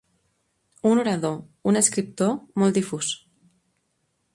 Un orador, un escriptor, molt difús.